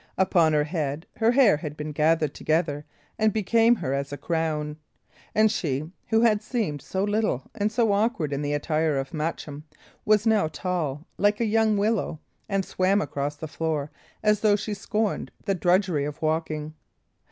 Upon her head, her hair had been gathered together and became her as a crown. And she, who had seemed so little and so awkward in the attire of Matcham, was now tall like a young willow, and swam across the floor as though she scorned the drudgery of walking.